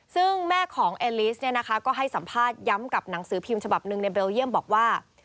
ซึ่งแม่ของเอลิสเนี่ยนะคะก็ให้สัมภาษณ์ย้ำกับหนังสือพิมพ์ฉบับหนึ่งในเบลเยี่ยมบอกว่า